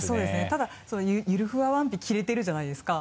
ただゆるふわワンピ着れてるじゃないですか。